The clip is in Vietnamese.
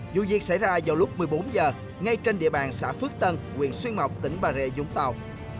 dù diệt xảy ra vào lúc một mươi bốn h ngay trên địa bàn xã phước tân quyền xuyên mộc tỉnh bà rệ dũng tàu